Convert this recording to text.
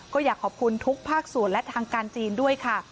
ก็อยากขอบคุณทุกภาคส่วนและทางการจีนด้วยค่ะ